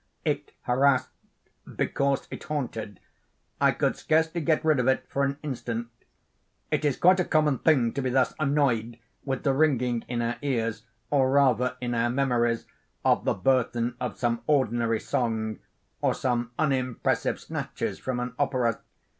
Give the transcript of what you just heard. It harassed because it haunted. I could scarcely get rid of it for an instant. It is quite a common thing to be thus annoyed with the ringing in our ears, or rather in our memories, of the burthen of some ordinary song, or some unimpressive snatches from an opera.